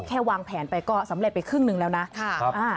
วางแผนไปก็สำเร็จไปครึ่งหนึ่งแล้วนะ